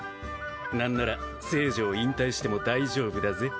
何なら聖女を引退しても大丈夫だぜ？